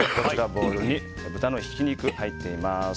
ボウルに豚のひき肉が入っています。